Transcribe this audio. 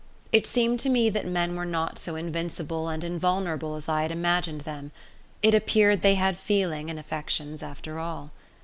It seemed to me that men were not so invincible and invulnerable as I had imagined them it appeared they had feeling and affections after all.